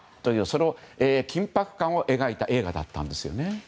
そうした緊迫感を描いた映画だったんですよね。